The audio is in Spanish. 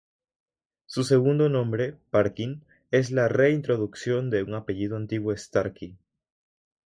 Su segundo nombre, Parkin, es la re-introducción de un apellido antiguo Starkey.